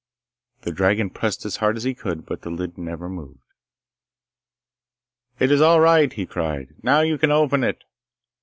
The dragon pressed as hard as he could, but the lid never moved. 'It is all right,' he cried; 'now you can open it.